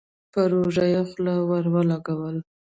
پر اوږه يې خوله ور ولګوله.